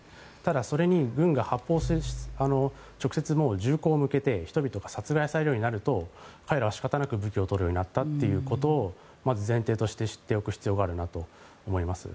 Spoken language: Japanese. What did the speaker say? それに軍が直接、銃口を向けて人々が殺害されるようになると彼らは仕方なく武器を取るようになったということをまず前提として知っておく必要があるなと思います。